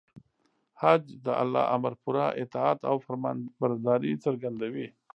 حج د الله د امر پوره اطاعت او فرمانبرداري څرګندوي.